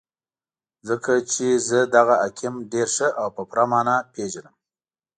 ځکه چې زه دغه حاکم ډېر ښه او په پوره مانا پېژنم.